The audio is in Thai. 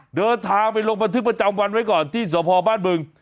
เหนือทางไปลงพันธุขวัญวางวันไว้ก่อนที่สภอบ้านเมือง